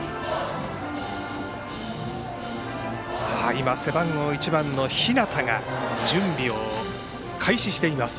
今、背番号１の日當が準備を開始しています。